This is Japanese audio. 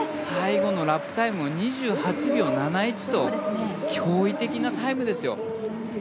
最後のラップタイム２８秒７１と驚異的なタイムですよ。